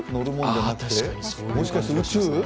もしかして宇宙？